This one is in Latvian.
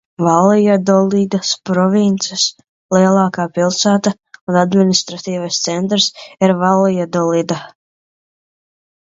Valjadolidas provinces lielākā pilsēta un administratīvais centrs ir Valjadolida.